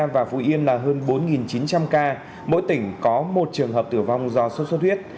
và phú yên là hơn bốn chín trăm linh ca mỗi tỉnh có một trường hợp tử vong do số số thiết